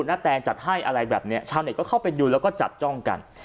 แตงจัดให้อะไรแบบนี้ชาวเน็ตก็เข้าไปดูแล้วก็จับจ้องกัน